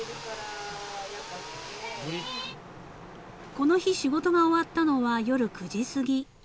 ［この日仕事が終わったのは夜９時すぎ］